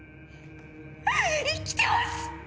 生きてます！